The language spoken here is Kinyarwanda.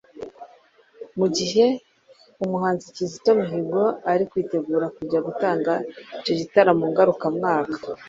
Mu gihe umuhanzi Kizito Mihigo ari kwitegura kujya gutanga icyo gitaramo ngarukamwaka